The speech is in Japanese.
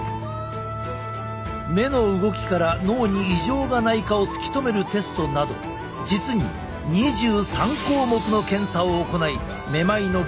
目の動きから脳に異常がないかを突き止めるテストなど実に２３項目の検査を行いめまいの原因を調べ上げるのだ。